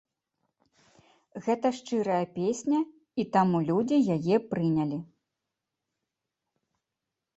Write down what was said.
Гэта шчырая песня, і таму людзі яе прынялі.